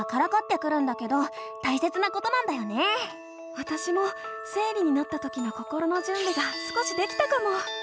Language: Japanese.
わたしも生理になったときの心のじゅんびが少しできたかも。